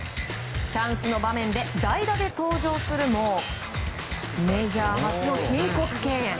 チャンスの場面で代打で登場するもメジャー初の申告敬遠。